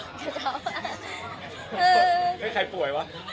เจ้าเจ้า